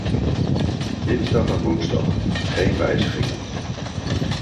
Dinsdag en woensdag: geen wijzigingen.